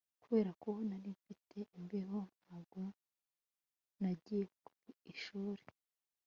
Kubera ko nari mfite imbeho ntabwo nagiye ku ishuri